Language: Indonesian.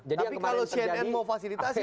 tapi kalau cnn mau fasilitasi